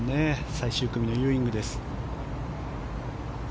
最終組のユーイングです。